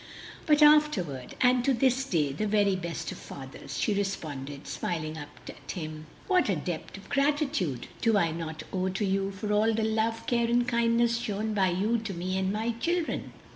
"But afterward and to this day the very best of fathers," she responded, smiling up at him. "Dear papa, what a debt of gratitude do I not owe to you for all the love, care, and kindness shown by you to me and my children!"